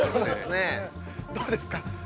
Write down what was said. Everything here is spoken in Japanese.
どうですか？